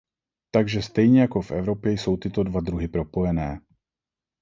Takže stejně jako v Evropě jsou tyto dva druhy propojené.